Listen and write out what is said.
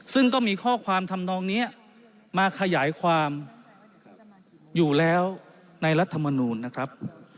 ซึ่งก็มีข้อความทำนองนี้มาขยายความอยู่แล้วในรัฐมนูลนะครับ